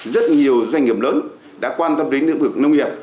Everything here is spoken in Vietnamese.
rất nhiều doanh nghiệp lớn đã quan tâm đến lĩnh vực nông nghiệp